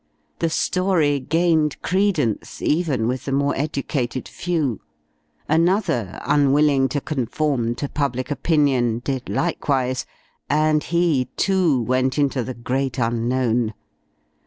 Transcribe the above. The story gained credence, even with the more educated few. Another, unwilling to conform to public opinion, did likewise. And he, too, went into the great unknown.